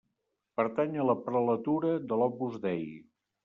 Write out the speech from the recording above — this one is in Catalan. Pertany a la prelatura de l'Opus Dei.